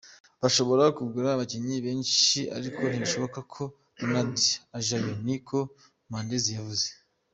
Bashobora kugura abakinyi benshi, ariko ntibishoboka ko Ronaldo ajayo," ni ko Mendez yavuze.